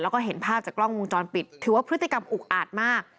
แล้วก็เห็นภาพจากกล้องวงจรปิดถือว่าพฤติกรรมอุกอาจมาก